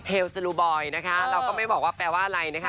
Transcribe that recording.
เฮลสลูบอยนะคะเราก็ไม่บอกแปลว่าอะไร